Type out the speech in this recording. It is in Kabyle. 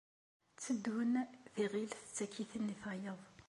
Tteddun, tiɣilt tettak-iten i tayeḍ.